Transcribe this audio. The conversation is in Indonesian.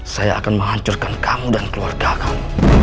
saya akan menghancurkan kamu dan keluarga kamu